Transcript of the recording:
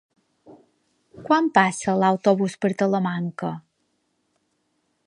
Quan passa l'autobús per Talamanca?